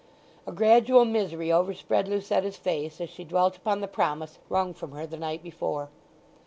A gradual misery overspread Lucetta's face as she dwelt upon the promise wrung from her the night before.